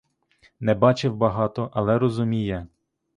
Не бачив багато, але розуміє.